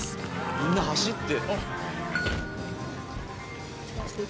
みんな走って。